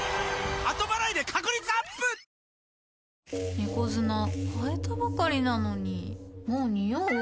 猫砂替えたばかりなのにもうニオう？